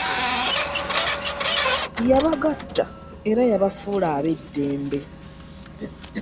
Yabagatta era yabafuula ab'eddembe.